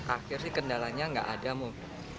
akhirnya kendalanya nggak ada mungkin